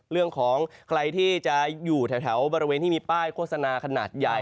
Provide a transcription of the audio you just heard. เรื่องของใครที่จะอยู่แถวบริเวณที่มีป้ายโฆษณาขนาดใหญ่